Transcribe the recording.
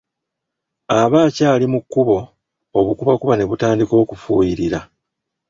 Aba akyali mu kkubo, obukubakuba ne butandika okufuuyirira.